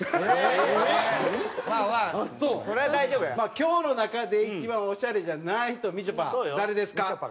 今日の中で一番オシャレじゃない人みちょぱ誰ですか？